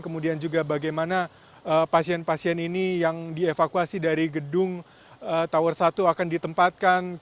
kemudian juga bagaimana pasien pasien ini yang dievakuasi dari gedung tower satu akan ditempatkan